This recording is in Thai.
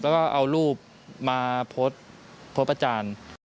แล้วก็เอารูปมาโพสต์โพสต์อาจารย์